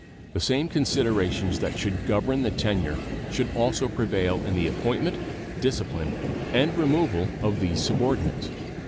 The same considerations that should govern the tenure should also prevail in the appointment, discipline, and removal of these subordinates.